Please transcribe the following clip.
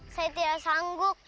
saya tidak sanggup